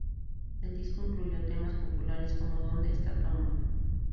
El disco incluyó temas populares como "¿Dónde está tu amor?